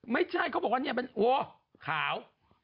ไม่ใช่เขาบอกว่าโหขาว